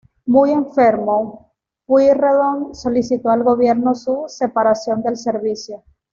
Muy enfermo, Pueyrredón solicitó al gobierno su separación del servicio.